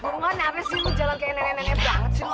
ngomong apa sih jalan kayak nenek nenek banget sih lo